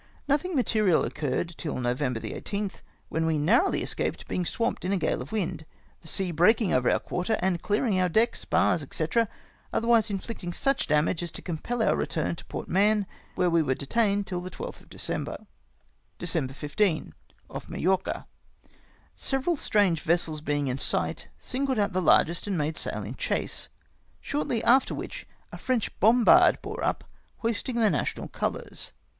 Nothing material occurred till November 18th, when we narrowly escaped being swamped in a gale of wind, the sea breaking over our quarter, and clearing our deck, spars, &c., otherwise inflicting such damage as to compel our return to Port Mahon, where we were detained till the 1 2th of December. "December 15. — Off Majorca. Several strange vessels being in sight, singled out the largest and made sail in chase; shortly after which a French bombard bore up, hoisting the national colours.